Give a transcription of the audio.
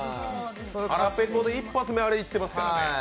腹ペコで一発目、あれいってますからね。